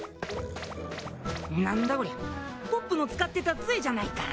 なんだこりゃポップの使ってた杖じゃないか。